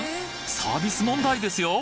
サービス問題ですよ